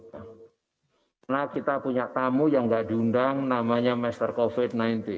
karena kita punya tamu yang tidak diundang namanya master covid sembilan belas